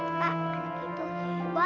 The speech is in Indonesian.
tidak tidak tidak